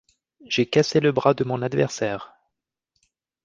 J'ai cassé le bras de mon adversaire.